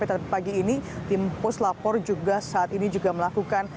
tetapi pagi ini tim puslapor juga saat ini juga melakukan